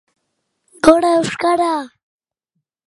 Burdin Aroan zeltak bizi ziren inguru hauetan.